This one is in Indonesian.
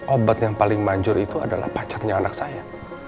obat yang paling manjur itu adalah pacatnya anak saya